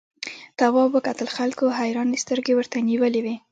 تواب وکتل خلکو حیرانې سترګې ورته نیولې وې.